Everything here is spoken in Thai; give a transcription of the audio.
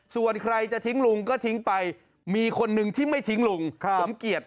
ส่วนใครจะทิ้งลุงก็ทิ้งไปมีคนนึงที่ไม่ทิ้งลุงสมเกียจ